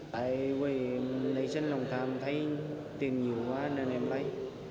tại vì lấy sân lòng tham thấy tiền nhiều quá nên em lấy